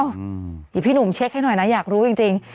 เดี๋ยวพี่หนุ่มเช็คให้หน่อยนะอยากรู้จริง